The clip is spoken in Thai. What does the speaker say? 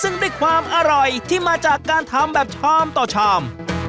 ซึ่งด้วยความอร่อยที่มาจากการทำแบบชามต่อชาม